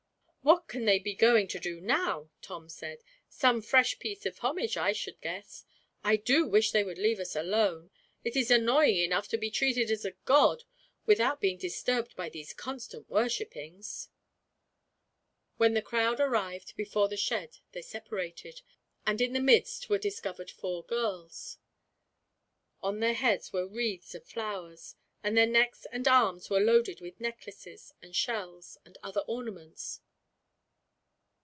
"What can they be going to do now?" Tom said. "Some fresh piece of homage, I should guess. I do wish they would leave us alone. It is annoying enough to be treated as a god, without being disturbed by these constant worshippings." When the crowd arrived before the shed they separated, and in the midst were discovered four girls. On their heads were wreaths of flowers, and their necks and arms were loaded with necklaces, and shells, and other ornaments.